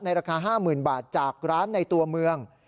ราคา๕๐๐๐บาทจากร้านในตัวเมือง